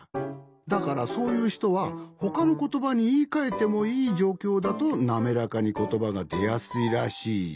だからそういうひとはほかのことばにいいかえてもいいじょうきょうだとなめらかにことばがでやすいらしい。